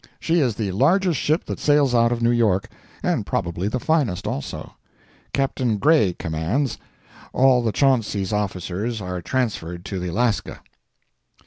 She is the largest ship that sails out of New York, and probably the finest, also. Captain Gray commands. All the Chauncey's officers are transferred to the Alaska.